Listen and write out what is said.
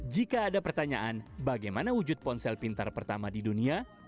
jika ada pertanyaan bagaimana wujud ponsel pintar pertama di dunia